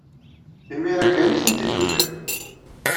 Imir-a kan ay tent-id-tufiḍ.